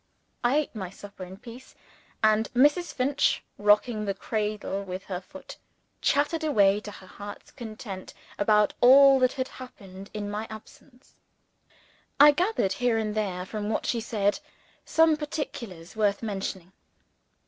I ate my supper in peace; and Mrs. Finch (rocking the cradle with her foot) chattered away to her heart's content about all that had happened in my absence. I gathered, here and there, from what she said, some particulars worth mentioning.